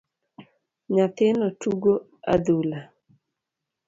Nyathino tugo adhula